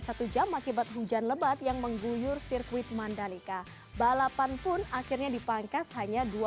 satu jam akibat hujan lebat yang mengguyur sirkuit mandalika balapan pun akhirnya dipangkas hanya